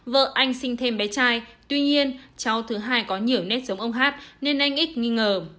vợ anh sinh thêm bé trai tuy nhiên cháu thứ hai có nhiều nét giống ông hát nên anh ích nghi ngờ